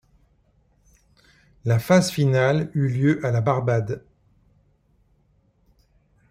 La phase finale eu lieu à la Barbade.